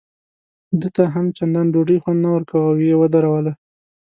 ده ته هم چندان ډوډۍ خوند نه ورکاوه او یې ودروله.